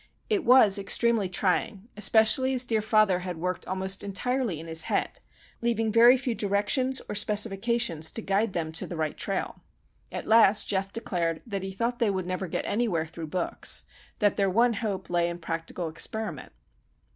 It was extremely trying, especially as dear father had worked almost entirely in his head, leaving very few directions or specifications to guide them to the right trail. At last Geof declared that he thought they would never get anywhere through books; that their one hope lay in practical experiment.